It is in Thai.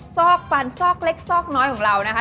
ซอกฟันซอกเล็กซอกน้อยของเรานะคะ